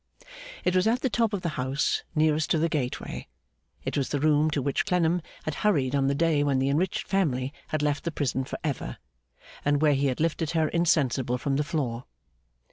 It was at the top of the house nearest to the gateway. It was the room to which Clennam had hurried on the day when the enriched family had left the prison for ever, and where he had lifted her insensible from the floor.